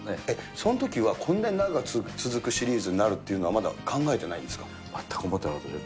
そのときはこんなに長く続くシリーズになるっていうのは、全く思ってなかったです。